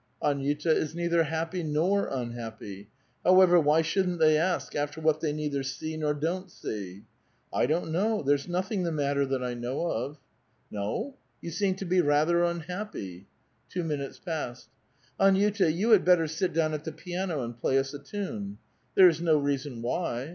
Aniuta is neither happj* nor unhappy ; however, why shouldn't they ask after what thev neither see nor don't see? 'I don't know; there's nothing the matter that I know of.' * No? you seem to be rather unhappy.' Two minutes pass. 'Ani uta, you had better sit down at the piano and play us a* tune' ;* there is no reason why.